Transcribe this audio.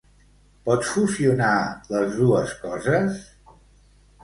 Pots fusionar les dues coses?